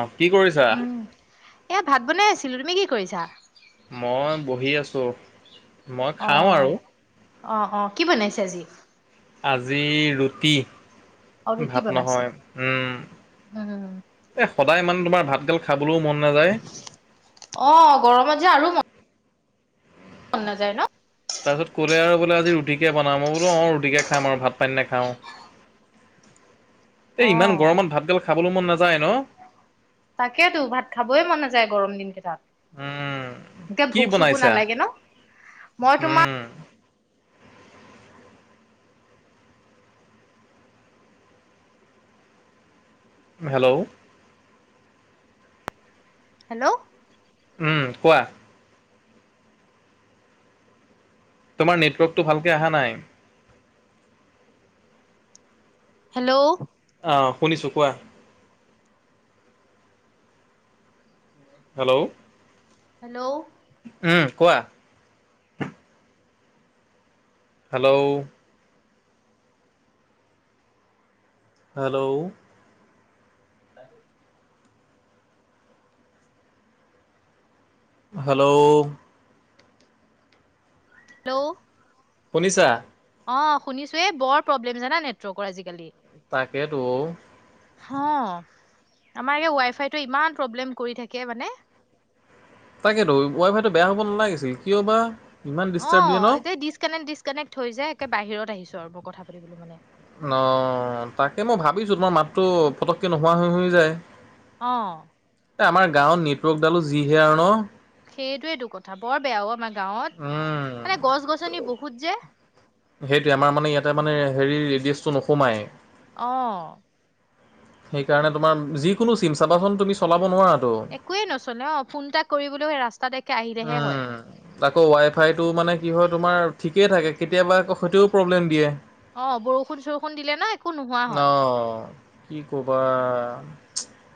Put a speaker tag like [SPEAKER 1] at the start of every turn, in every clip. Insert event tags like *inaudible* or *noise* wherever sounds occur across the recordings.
[SPEAKER 1] অ কি কৰিছা?
[SPEAKER 2] উম, এয়া ভাত বনাই আছিলোঁ, তুমি কি কৰিছা?
[SPEAKER 1] মই বহি আছোঁ।
[SPEAKER 2] অ'। অ', অ' কি বনাইছে আজি?
[SPEAKER 1] আজি ৰুটি,
[SPEAKER 2] অ', ৰুটি
[SPEAKER 1] ভাত
[SPEAKER 2] বনাইছে।
[SPEAKER 1] নহয়, উম।
[SPEAKER 2] উম,
[SPEAKER 1] এ, সদায় ইমান তোমাৰ ভাত গাল খাবলৈও মন নাযায়।
[SPEAKER 2] অ' গৰমত যে আৰু ম মন নাযায় ন'?
[SPEAKER 1] তাৰপিছত ক'লে আৰু বোলে আজি ৰুটিকে বনাম, মই বোলো অ ৰুটিকে খাম আৰু ভাত পানী নাখাওঁ।
[SPEAKER 2] *inaudible*
[SPEAKER 1] এ ইমান
[SPEAKER 2] অ'।
[SPEAKER 1] গৰমত ভাত গাল খাবলৈ মন নাযায় ন?
[SPEAKER 2] তাকেতো ভাত খাবই মন নাযায় গৰম দিন কেইটাত
[SPEAKER 1] উম
[SPEAKER 2] এতিয়া
[SPEAKER 1] কি
[SPEAKER 2] ভোক - চোকো
[SPEAKER 1] বনাইছা?
[SPEAKER 2] নালাগে ন? মই তোমা
[SPEAKER 1] উম হেল্ল'?
[SPEAKER 2] হেল্ল'?
[SPEAKER 1] উম কোৱা? তোমাৰ নেটৱৰ্কটো ভালকে আহা নাই।
[SPEAKER 2] হেল্ল'?
[SPEAKER 1] অ শুনিছো, কোৱা? হেল্ল'?
[SPEAKER 2] হেল্ল'?
[SPEAKER 1] উম কোৱা? হেল্ল'? হেল্ল'?
[SPEAKER 2] *unintelligible*
[SPEAKER 1] হেল্ল'?
[SPEAKER 2] হেল্ল'?
[SPEAKER 1] শুনিছা?
[SPEAKER 2] অ শুনিছো, এই বৰ প্ৰব্লেম জানা নেটৱৰ্কৰ আজিকালি?
[SPEAKER 1] তাকেতো অ।
[SPEAKER 2] হ, আমাৰ এই ৱাই ফাইটোৱে ইমান প্ৰব্লেম কৰি থাকে মানে
[SPEAKER 1] তাকেতো, ৱাই ফাইটো বেয়া হ'ব নালাগিছিল কিয় বা ইমান
[SPEAKER 2] অ
[SPEAKER 1] ডিষ্টাৰ্ব দিয়ে ন
[SPEAKER 2] এতিয়া ডিচকানেক্ট - ডিচকানেক্ট হৈ যায়, একে বাহিৰত আহিছো আৰু মই কথা পাতিবলৈ মানে।
[SPEAKER 1] অ, তাকে মই ভাবিছো তোমাৰ মাতটো পটককে নোহোৱা হৈ হৈ যায়।
[SPEAKER 2] অ।
[SPEAKER 1] এই আমাৰ গাঁৱত নেটৱৰ্কডালো যিহে আৰু ন?
[SPEAKER 2] সেইটোয়েইটো কথা, বৰ বেয়াও আমাৰ গাঁৱত
[SPEAKER 1] উম
[SPEAKER 2] মানে গছ - গছনি বহুত যে।
[SPEAKER 1] সেইটোৱে আমাৰ মানে ইয়াতে মানে হেৰি ৰেডিয়েছটো নোসোমায়।
[SPEAKER 2] অ।
[SPEAKER 1] সেইকাৰণে তোমাৰ, যিকোনো চিম চাবাচোন তুমি চলাব নোৱাৰাতো।
[SPEAKER 2] একোৱে নচলে, অ ফোন এটা কৰিবলৈও ৰাস্তাত একে আহিলেহে হয়।
[SPEAKER 1] উম আকৌ ৱাই ফাইটো মানে কি হয় তোমাৰ ঠিকেই থাকে কেতিয়াবা আকৌ সেইটোৱেও প্ৰব্লেম দিয়ে।
[SPEAKER 2] অ, বৰষুণ - চৰষুণ দিলে ন একো নোহোৱা
[SPEAKER 1] অ
[SPEAKER 2] হয়।
[SPEAKER 1] কি কবা?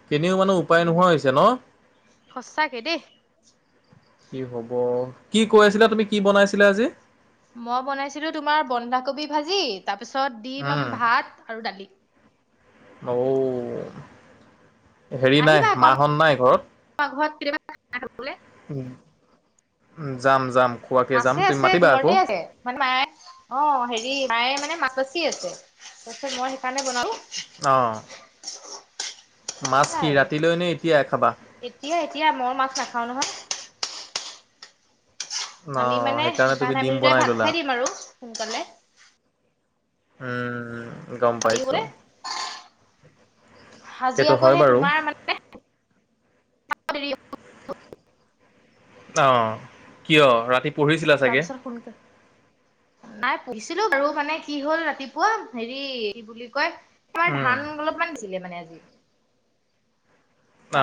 [SPEAKER 1] কেনিও মানে উপায় নোহোৱা হৈছে ন?
[SPEAKER 2] সঁচাকে দেই।
[SPEAKER 1] কি হ'ব? কি কৈ আছিলা তুমি কি বনাইছিলা আজি?
[SPEAKER 2] মই বনাইছিলোঁ তোমাৰ বন্ধাকবি ভাজি তাৰপিছত ডিম অম
[SPEAKER 1] উম
[SPEAKER 2] ভাত আৰু দালি।
[SPEAKER 1] অ, হেৰি নাই
[SPEAKER 2] আহিবা আকৌ
[SPEAKER 1] মাহত নাই ঘৰত?
[SPEAKER 2] আমাৰ ঘৰত *unintelligible* খাবলে?
[SPEAKER 1] উম, উম যাম যাম খোৱাকে যাম,
[SPEAKER 2] আছে
[SPEAKER 1] তুমি
[SPEAKER 2] আছে
[SPEAKER 1] মাতিবা আকৌ।
[SPEAKER 2] ঘৰতে আছে মানে মায়ে, অ হেৰি মায়ে মানে মাছ বাচি আছে তাৰপিছত মই সেইকাৰণে বনালো।
[SPEAKER 1] অঁ। মাছ
[SPEAKER 2] খালা
[SPEAKER 1] কি
[SPEAKER 2] আৰু
[SPEAKER 1] ৰাতিলৈ নে এতিয়াই খাবা?
[SPEAKER 2] এতিয়া, এতিয়া মই মাছ নাখাও নহয়।
[SPEAKER 1] অ',
[SPEAKER 2] আমি মানে
[SPEAKER 1] সেইকাৰণে তুমি
[SPEAKER 2] আমি
[SPEAKER 1] দিম
[SPEAKER 2] দুটাই
[SPEAKER 1] বনাই
[SPEAKER 2] ভাত
[SPEAKER 1] ল'লা।
[SPEAKER 2] খাই দিম আৰু সোনকালে
[SPEAKER 1] উম, গম পাইছো।
[SPEAKER 2] হাজি
[SPEAKER 1] সেইটো
[SPEAKER 2] আকৌ
[SPEAKER 1] হয়
[SPEAKER 2] সেই
[SPEAKER 1] বাৰু
[SPEAKER 2] তোমাৰ মানে *unintelligible*
[SPEAKER 1] অ', কিয় ৰাতি পঢ়িছিলা
[SPEAKER 2] তাৰ
[SPEAKER 1] চাগে
[SPEAKER 2] পিছত *unintelligible* নাই পঢ়িছিলো আৰু মানে কি হ'ল ৰাতিপুৱা হেৰি কি বুলি কয় আমাৰ
[SPEAKER 1] উম
[SPEAKER 2] ধান অলপমান বেছিলে মানে আজি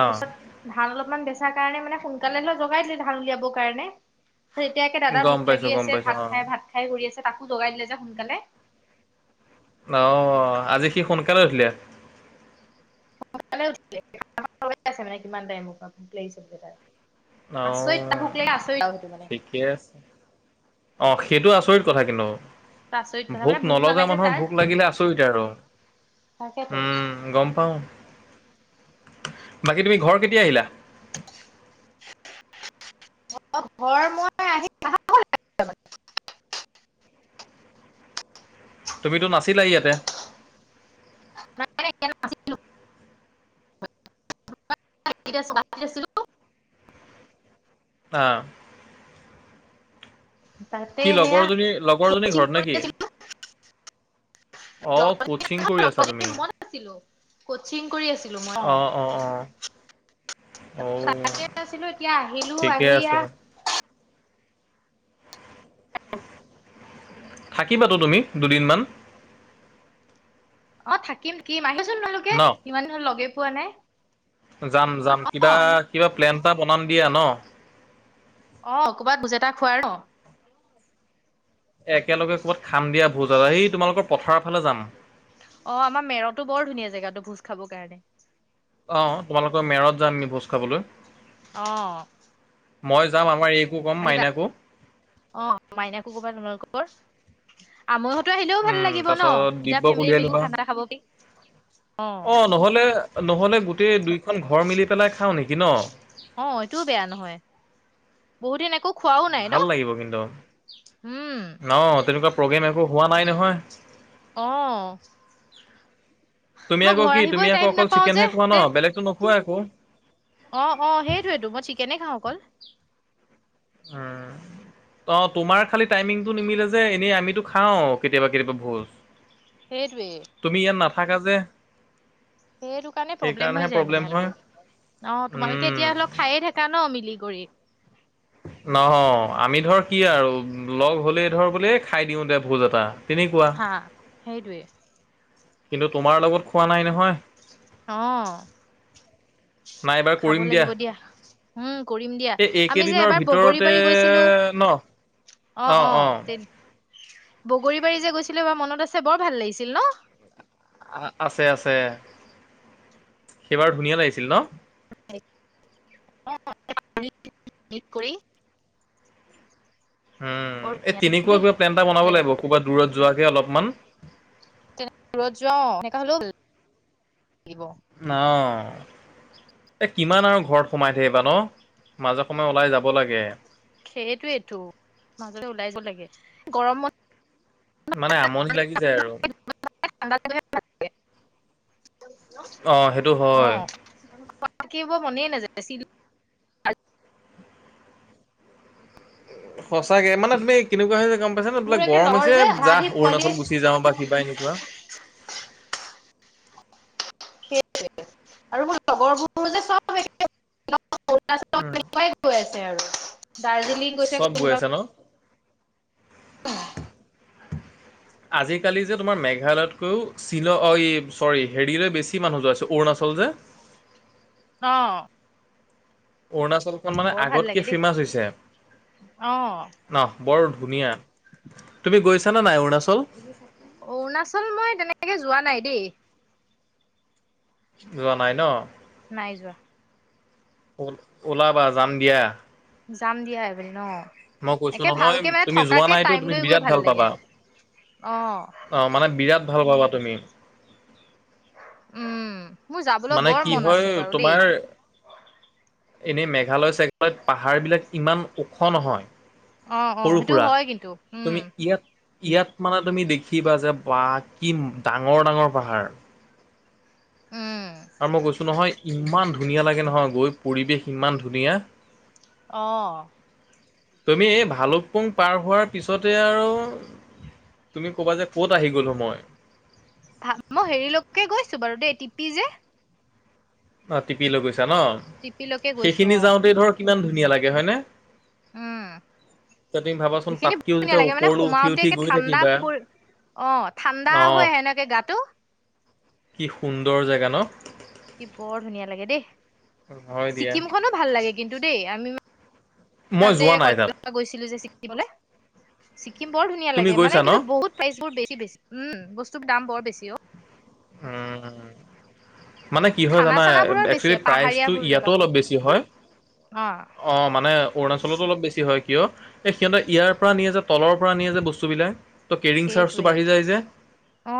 [SPEAKER 1] অ
[SPEAKER 2] ধান অলপমান বেচাৰ কাৰণে মানে সোনকালে হ'লে জগাই দিলে ধান উলিয়াবৰ কাৰণে। এতিয়া একে দাদা
[SPEAKER 1] গম
[SPEAKER 2] ভোক
[SPEAKER 1] পাইছো
[SPEAKER 2] লাগি
[SPEAKER 1] গম
[SPEAKER 2] আছে
[SPEAKER 1] পাইছো
[SPEAKER 2] ভাত
[SPEAKER 1] অ
[SPEAKER 2] খাই, ভাত খাই কৰি আছে তাকো জগাই দিলে যে সোনকালে।
[SPEAKER 1] অ', আজি সি সোনকালে উঠিলে?
[SPEAKER 2] সোনালে উঠিলে *unintelligible* কিমান টাইমৰ পৰা ভুক লাগিছে বুলি তাৰ। আচৰিত, তাৰ ভোক লাগে আচৰিত আৰু সেইটো মানে।
[SPEAKER 1] ইয়েছ। অ', সেইটো আচৰিত কথা কিন্তু।
[SPEAKER 2] আচৰিত কথা মানে
[SPEAKER 1] ভোক নলগা
[SPEAKER 2] নালাগে
[SPEAKER 1] মানুহৰ
[SPEAKER 2] তাৰ
[SPEAKER 1] ভোক লাগিলে আচৰিত আৰু।
[SPEAKER 2] তাকেতো।
[SPEAKER 1] উম গম পাওঁ বাকী তুমি ঘৰ কেতিয়া আহিলা?
[SPEAKER 2] অ', ঘৰ মই আহি
[SPEAKER 1] তুমিতো নাছিলা ইয়াতে?
[SPEAKER 2] *unintelligible* *unintelligible*
[SPEAKER 1] অ'।
[SPEAKER 2] তাতে
[SPEAKER 1] কি
[SPEAKER 2] সেয়া
[SPEAKER 1] লগৰজনী লগৰজনী
[SPEAKER 2] কচিং
[SPEAKER 1] ঘৰত নেকি
[SPEAKER 2] কৰি আছিলো।
[SPEAKER 1] অ কচিং কৰি আছা তুমি
[SPEAKER 2] *unintelligible* কচিং কৰি আছিলো মই, অ'।
[SPEAKER 1] অ
[SPEAKER 2] তাতে আছিলো এতিয়া আহিলো
[SPEAKER 1] ঠিকে
[SPEAKER 2] আহি এয়া
[SPEAKER 1] আছে থাকিবাতো তুমি দুদিনমান?
[SPEAKER 2] অ', থাকিম কিম আহিবাচোন তোমালোকে
[SPEAKER 1] ন
[SPEAKER 2] ইমান দিন লগেই পোৱা নাই।
[SPEAKER 1] যাম যাম
[SPEAKER 2] অ
[SPEAKER 1] কিবা কিবা প্লেন এটা বনাম দিয়া ন'?
[SPEAKER 2] অ', ক'ৰবাত বুজেটা খোৱাৰ ন'?
[SPEAKER 1] এ একেলগে ক'ৰবাত খাম‌ দিয়া ভোজ এটা, সি তোমালোকৰ পথাৰৰ ফালে যাম।
[SPEAKER 2] অ', আমাৰ মেৰতো বৰ ধুনীয়া জেগাটো ভোজ খাবৰ কাৰণে।
[SPEAKER 1] অ', তোমালোকৰ মেৰত যাম ভোজ আমি খাবলৈ,
[SPEAKER 2] অ
[SPEAKER 1] মই যাম আমাৰ এই কো ক'ম
[SPEAKER 2] আহিবা
[SPEAKER 1] মাইনাকো।
[SPEAKER 2] অ', মাইনাকো কবা তোমালোকৰ। আমৈহঁতো আহিলেও ভাল
[SPEAKER 1] উম
[SPEAKER 2] লাগিব ন',
[SPEAKER 1] তাৰপিছত
[SPEAKER 2] দুইটা
[SPEAKER 1] দিব্যক
[SPEAKER 2] ফেমিলি
[SPEAKER 1] উলিয়াই
[SPEAKER 2] মিলিও
[SPEAKER 1] ল'বা
[SPEAKER 2] খানা খাব পাৰি। অ,।
[SPEAKER 1] নহ'লে নহ'লে গোটেই দুইখন ঘৰ মিলি পেলাই খাওঁ নেকি ন'?
[SPEAKER 2] অ', এইটোও বেয়া নহয়। বহু দিন একো খোৱাও নাই ন
[SPEAKER 1] ভাল লাগিব কিন্তু
[SPEAKER 2] উম
[SPEAKER 1] অ', তেনেকুৱা প্ৰগ্ৰেম একো হোৱা নাই নহয়।
[SPEAKER 2] অ
[SPEAKER 1] তুমি
[SPEAKER 2] মই
[SPEAKER 1] আকৌ
[SPEAKER 2] ঘৰ
[SPEAKER 1] কি তুমি
[SPEAKER 2] আহিবই
[SPEAKER 1] আকৌ
[SPEAKER 2] টাইম
[SPEAKER 1] অকল
[SPEAKER 2] নাপাও যে
[SPEAKER 1] চিকেনহে খোৱা
[SPEAKER 2] তে
[SPEAKER 1] ন' বেলেগতো নো কোৱা আকৌ?
[SPEAKER 2] অ' অ' সেইটোয়েটো মই চিকেনে খাওঁ অকল।
[SPEAKER 1] উম।
[SPEAKER 2] *unintelligible*
[SPEAKER 1] অ', তোমাৰ খালি টাইমিংটো নিমিলে যে, এনেই আমিতো খাও কেতিয়াবা কেতিয়াবা ভোজ।
[SPEAKER 2] সেইটোৱে
[SPEAKER 1] তুমি ইয়াত নাথাকা যে
[SPEAKER 2] সেইটো কাৰণে প্ৰব্লেম
[SPEAKER 1] সেইকাৰণেহে
[SPEAKER 2] হৈ যায় মানে
[SPEAKER 1] প্ৰব্লেম হয়
[SPEAKER 2] আৰু, অ', তোমালোকে
[SPEAKER 1] উম।
[SPEAKER 2] এতিয়া ধৰিল খাইয়ে থাক কা ন মিলি কৰি।
[SPEAKER 1] নহ আমি ধৰ কি আৰু লগ হ'লেই ধৰ বোলে খাই দিও দে ভোজ এটা তেনেকুৱা।
[SPEAKER 2] অ', সেইটোৱে।
[SPEAKER 1] কিন্তু তোমাৰ লগত খোৱা নাই নহয়?
[SPEAKER 2] অ',
[SPEAKER 1] নাই এইবাৰ
[SPEAKER 2] খাব
[SPEAKER 1] কৰিম দিয়া।
[SPEAKER 2] লাগিব উম, কৰিম দিয়া।
[SPEAKER 1] এই
[SPEAKER 2] আমি যে
[SPEAKER 1] এইকেইদিনৰ
[SPEAKER 2] এবাৰ বগৰী
[SPEAKER 1] ভিতৰতে
[SPEAKER 2] বাৰী গৈছিলো
[SPEAKER 1] ন
[SPEAKER 2] অ' অ' বগৰী বাৰী যে গৈছিলে এবাৰ মনত আছে, বৰ ভাল লাগিছিল ন?
[SPEAKER 1] আ আছে আছে সেইবাৰ ধুনীয়া লাগিছিল ন?
[SPEAKER 2] অ কৰি *unintelligible*
[SPEAKER 1] উম,
[SPEAKER 2] বৰ
[SPEAKER 1] এই
[SPEAKER 2] ধুনীয়া আছিল
[SPEAKER 1] তেনেকুৱা
[SPEAKER 2] দেই
[SPEAKER 1] কিবা প্লেন এটা বনাব
[SPEAKER 2] জেগা
[SPEAKER 1] লাগিব ক'ৰবাত দূৰত যোৱাকে অলপমান?
[SPEAKER 2] তেনেকুৱা দূৰত যোৱা সেনেকা হ'লেও ভাল লাগিব।
[SPEAKER 1] অ'। এই কিমান আৰু ঘৰত সোমাই থাকিবা ন? মাজে সময়ে ওলাই যাব লাগে।
[SPEAKER 2] সেইটোৱেইটো মাজতে ওলাই যাব লাগে। গৰম
[SPEAKER 1] মানে আমনি লাগি যায় আৰু।
[SPEAKER 2] অ
[SPEAKER 1] অ' সেইটো হয়
[SPEAKER 2] *unintelligible* থাকিব মনেই নাযায় চ
[SPEAKER 1] সঁচাকে মানে তুমি কেনেকুৱা হৈছে গ'ম পাইছা নে? বোলে
[SPEAKER 2] মোৰ একে
[SPEAKER 1] গৰম
[SPEAKER 2] লগৰ
[SPEAKER 1] হৈছে
[SPEAKER 2] যে আধা
[SPEAKER 1] যা
[SPEAKER 2] আধি পোৱালিয়ে
[SPEAKER 1] অৰুণাচল গুচি যাওঁ বা কিবা এনেকুৱা
[SPEAKER 2] সেইটোৱে আৰু মোৰ লগৰবোৰ যে চব এক
[SPEAKER 1] উম
[SPEAKER 2] *unintelligible* কাই গৈ আছে আৰু দাৰ্জিলিং গৈছে
[SPEAKER 1] চব গৈ
[SPEAKER 2] কোনোবা
[SPEAKER 1] আছে ন আজিকালি যে তোমাৰ মেঘালয়তকৈও চিল এই চৰি, হেৰিলৈ বেছি মানুহ যোৱা হৈছে অৰুণাচল যে
[SPEAKER 2] অ',
[SPEAKER 1] অৰুণাচলখন মানে
[SPEAKER 2] বৰ ভাল
[SPEAKER 1] আগতকে
[SPEAKER 2] লাগে দেই
[SPEAKER 1] ফেমাচ হৈছে।
[SPEAKER 2] অ
[SPEAKER 1] নহ বৰ ধুনীয়া। তুমি গৈছানে নাই অৰুণাচল?
[SPEAKER 2] অৰুণাচল মই তেনেকে যোৱা নাই দেই।
[SPEAKER 1] যোৱা নাই ন?
[SPEAKER 2] নাই যোৱা।
[SPEAKER 1] ওল ওলাবা যাম দিয়া।
[SPEAKER 2] যাম দিয়া এদিন ন?
[SPEAKER 1] মই কৈছো
[SPEAKER 2] একে
[SPEAKER 1] নহয়
[SPEAKER 2] ভালকে মানে
[SPEAKER 1] তুমি যোৱা
[SPEAKER 2] থকাকে
[SPEAKER 1] নাইতো
[SPEAKER 2] টাইম
[SPEAKER 1] তুমি
[SPEAKER 2] লৈ গৈ
[SPEAKER 1] বিৰাট
[SPEAKER 2] ভাল লাগে,
[SPEAKER 1] পাবা
[SPEAKER 2] অ'।
[SPEAKER 1] অ', মানে বিৰাট ভাল পাবা তুমি।
[SPEAKER 2] উম। মোৰ যাবলৈ
[SPEAKER 1] মানে
[SPEAKER 2] বৰ
[SPEAKER 1] কি
[SPEAKER 2] মন
[SPEAKER 1] হয়
[SPEAKER 2] আছে বাৰু দেই
[SPEAKER 1] তোমাৰ এনেই মেঘালয় চেঘালয়ত পাহাৰবিলাক ইমান ওখ নহয়।
[SPEAKER 2] অ অ
[SPEAKER 1] সৰু
[SPEAKER 2] সেইটো
[SPEAKER 1] সুৰা
[SPEAKER 2] হয় কিন্তু উম
[SPEAKER 1] তুমি ইয়াত ইয়াত মানে তুমি দেখিবা যে বা কি ডাঙৰ ডাঙৰ পাহাৰ
[SPEAKER 2] উম
[SPEAKER 1] আৰু মই গৈছো নহয় ইমান ধুনীয়া লাগে নহয় গৈ পৰিৱেশ ইমান ধুনীয়া
[SPEAKER 2] অ
[SPEAKER 1] তুমি এই ভালুকপুং পাৰ হোৱাৰ পিছতে আৰু তুমি ক'বা যে ক'ত আহি গ'লো মই
[SPEAKER 2] ভা মই হেৰিলৈকে গৈছো বাৰু দেই টিপি যে
[SPEAKER 1] অ টিপি লৈ গৈছা ন
[SPEAKER 2] টিপিলৈকে গৈছো
[SPEAKER 1] সেইখিনি
[SPEAKER 2] অ
[SPEAKER 1] যাওঁতে ধৰ কিমান ধুনীয়া লাগে হয়নে
[SPEAKER 2] উম
[SPEAKER 1] এতিয়া তুমি ভাবাচোন
[SPEAKER 2] সেইখিনি
[SPEAKER 1] তাতকেও
[SPEAKER 2] ধুনীয়া
[SPEAKER 1] যেতিয়া
[SPEAKER 2] লাগে মানে
[SPEAKER 1] ওপৰলৈ উঠি
[SPEAKER 2] সোমাওতে
[SPEAKER 1] উঠি
[SPEAKER 2] একে
[SPEAKER 1] গৈ
[SPEAKER 2] ঠাণ্ডা
[SPEAKER 1] থাকিবা
[SPEAKER 2] পৰি অ ঠাণ্ডা
[SPEAKER 1] অ
[SPEAKER 2] হৈ আহে ন একে গাটো
[SPEAKER 1] কি সুন্দৰ জাগা ন
[SPEAKER 2] কি বৰ ধুনীয়া লাগে দেই
[SPEAKER 1] হয় দিয়া
[SPEAKER 2] ছিক্কিম খনো ভাল লাগে কিন্তু দেই আমি
[SPEAKER 1] মই
[SPEAKER 2] ৰাজুৱে
[SPEAKER 1] যোৱা নাই তাত
[SPEAKER 2] কলেজৰ পৰা গৈছিলো যে ছিক্কিমলে ছিক্কিম বৰ ধুনীয়া
[SPEAKER 1] তুমি
[SPEAKER 2] লাগে মানে
[SPEAKER 1] গৈছা ন
[SPEAKER 2] কিন্তু বহুত প্ৰাইচ বোৰ বেছি বেছি উ বস্তুৰ দাম বৰ বেছি অ
[SPEAKER 1] উম উম মানে কি হয়
[SPEAKER 2] খানা
[SPEAKER 1] জানা
[SPEAKER 2] চানাবোৰৰ বেছি
[SPEAKER 1] একচুৱেলি প্ৰাইচটো
[SPEAKER 2] পাহাৰীয়াবোৰ
[SPEAKER 1] ইয়াতো অলপ
[SPEAKER 2] জেগাবোৰত
[SPEAKER 1] বেছি হয়
[SPEAKER 2] অ
[SPEAKER 1] অ মানে অৰুণাচলতো অলপ বেছি হয় কিয় এই সিহঁতে ইয়াৰ পৰা নিয়ে যে তলৰ পৰা নিয়ে যে বস্তুবিলাক ত' কেৰিং চাৰ্জটো
[SPEAKER 2] সেইটোৱে
[SPEAKER 1] বাঢ়ি যায় যে
[SPEAKER 2] অ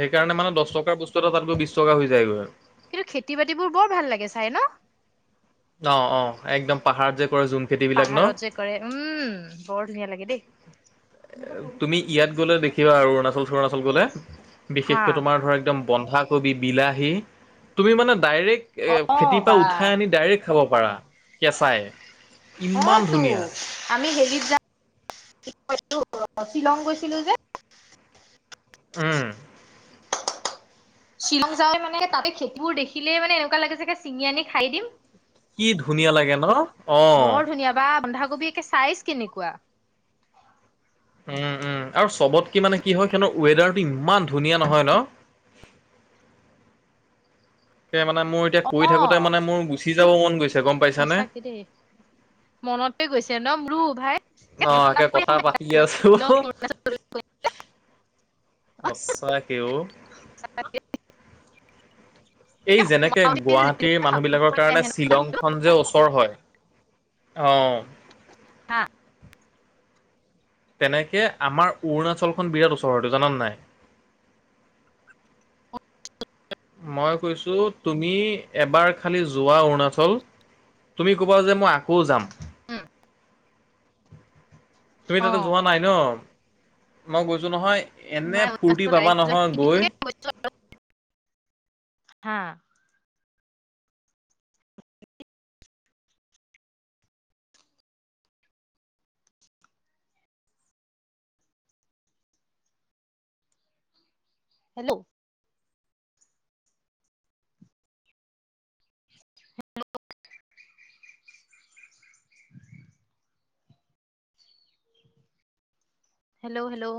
[SPEAKER 1] সেইকাৰণে মানে দহ টকাৰ বস্তু এটা তাতগৈ বিছ টকা হৈ যায়গৈ
[SPEAKER 2] কিন্তু খেতি বাতিবোৰ বৰ ভাল লাগে চাই ন
[SPEAKER 1] অ অ একদম পাহাৰত যে কৰে যোন
[SPEAKER 2] পাহাৰত যে কৰে উম বৰ ধুনীয়া লাগে দেই
[SPEAKER 1] তুমি ইয়াত গ'লে দেখিবা আৰু অৰুণাচল চৰুণাচল গ'লে
[SPEAKER 2] হা
[SPEAKER 1] বিশেষকৈ তোমাৰ ধৰা একদম বন্ধাকবি বিলাহী তুমি মানে ডাইৰেক্ট এ
[SPEAKER 2] অ
[SPEAKER 1] খেতিৰ পৰা
[SPEAKER 2] বা
[SPEAKER 1] উঠাই আনি ডাইৰেক্ট খাব পাৰা কেঁচাই
[SPEAKER 2] অ
[SPEAKER 1] ইমান
[SPEAKER 2] তো
[SPEAKER 1] ধুনীয়া
[SPEAKER 2] আমি হেৰিত যাম কি কয় এইটো শ্বিলং গৈছিলো যে
[SPEAKER 1] উম
[SPEAKER 2] শ্বিলং যায় মানে তাতে খেতিবোৰ দেখিলেই মানে এনেকুৱা লাগে যেন চিঙি আনি খাই দিম
[SPEAKER 1] কি ধুনীয়া লাগে ন অ
[SPEAKER 2] বৰ ধুনীয়া বা বন্ধাকবিৰ একে চাইজ কেনেকুৱা
[SPEAKER 1] উম উম আৰু চবতকে মানে কি হয় হেনো ৱেডাৰটো ইমান ধুনীয়া নহয় ন এ মানে মোৰ এতিয়া কৈ
[SPEAKER 2] অ
[SPEAKER 1] থাকোতে মানে মোৰ গুচি যাব মন গৈছে গম পাইছানে?
[SPEAKER 2] সঁচাকে দেই মনতে গৈছে ন মোৰো ভাই
[SPEAKER 1] অ একে কথা পাতি আছো হো হো সঁচাকে উ
[SPEAKER 2] সচাকে
[SPEAKER 1] সেই যেনেকে গুৱাহাটীৰ মানুহ বিলাকৰ কাৰণে শ্বিলং খন যে ওচৰ হয় অঁ তেনেকে আমাৰ অৰুণাচলখন বিৰাট ওচৰতে জানা নে নাই মই কৈছো তুমি এবাৰ খালি যোৱা অৰুণাচল তুমি ক'বা যে মই আকৌ যাম
[SPEAKER 2] *unintelligible*
[SPEAKER 1] তুমি
[SPEAKER 2] অ
[SPEAKER 1] তাতে যোৱা নাই ন মই গৈছো নহয় এনে ফূৰ্তি পাবা নহয় গৈ
[SPEAKER 2] *unintelligible* হা হেল্ল'। Hello hello hello